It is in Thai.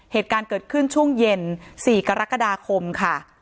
เหตุการณ์เกิดขึ้นช่วงเย็น๔กรกฎาคมค่ะ